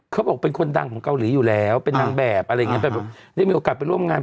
เขาบอกเป็นคนดังของเกาหลีอยู่แล้วเป็นนางแบบอะไรอย่างเงี้แบบได้มีโอกาสไปร่วมงาน